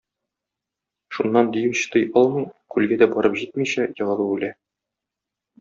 Шуннан дию чыдый алмый, күлгә дә барып җитмичә, егылып үлә.